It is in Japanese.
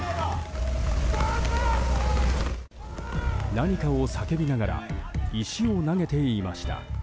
何かを叫びながら石を投げていました。